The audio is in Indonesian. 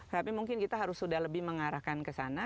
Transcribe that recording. tapi mungkin kita harus sudah lebih mengarahkan ke sana